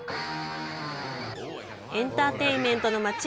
エンターテインメントの街